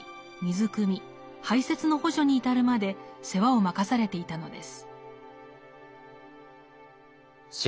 排泄の補助に至るまで世話を任されていたのです。